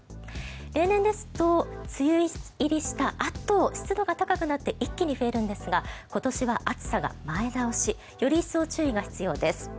例年ですと梅雨入りしたあと湿度が高くなって一気に増えるんですが今年は暑さが前倒し。より一層、注意が必要です。